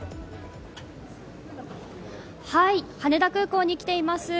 羽田空港に来ています。